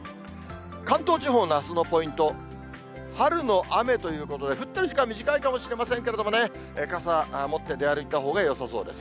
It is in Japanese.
関東地方のあすのポイント、春の雨ということで、降ってる時間は短いかもしれませんけれどもね、傘持って出歩いたほうがよさそうです。